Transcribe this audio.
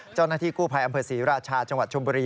เจ้าหน้าที่กู้ภัยอำเภอศรีราชาจังหวัดชมบุรี